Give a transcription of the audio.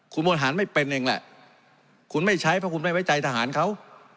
คุณบริหารไม่เป็นเองแหละคุณไม่ใช้เพราะคุณไม่ไว้ใจทหารเขา